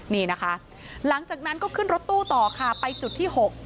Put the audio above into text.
นี่นะคะหลังจากนั้นก็ขึ้นรถตู้ต่อค่ะไปจุดที่๖